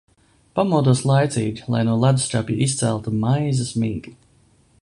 Pamodos laicīgi, lai no ledusskapja izceltu maizes mīklu.